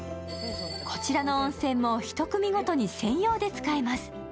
こちらの温泉も１組ごとに専用で使えます。